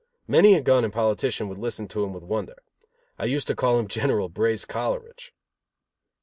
Many a gun and politician would listen to him with wonder. I used to call him General Brace Coleridge.